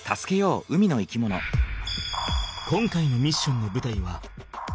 今回のミッションのぶたいは海。